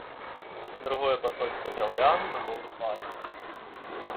Другое пасольства драўлян было спалена.